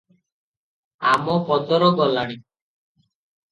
ଆମପଦର ଗଲାଣି?